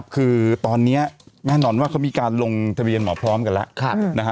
คือตอนนี้แน่นอนว่าเขามีการลงทะเบียนหมอพร้อมกันแล้ว